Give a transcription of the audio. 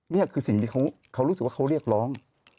นี่คือสิ่งที่เขารู้สึกว่าเขาเรียกร้อง